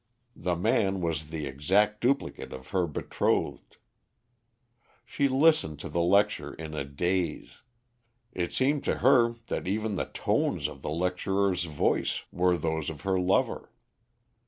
The man was the exact duplicate of her betrothed. She listened to the lecture in a daze; it seemed to her that even the tones of the lecturer's voice were those of her lover.